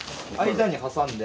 間に挟んで。